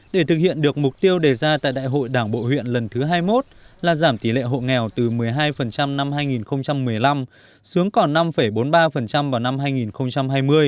để thực hiện được mục tiêu đề ra tại đại hội đảng bộ huyện lần thứ hai mươi một là giảm tỷ lệ hộ nghèo từ một mươi hai năm hai nghìn một mươi năm xuống còn năm bốn mươi ba vào năm hai nghìn hai mươi